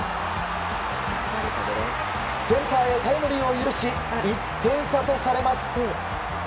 センターへタイムリーを許し１点差とされます。